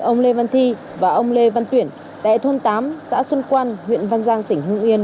ông lê văn thi và ông lê văn tuyển tại thôn tám xã xuân quan huyện văn giang tỉnh hưng yên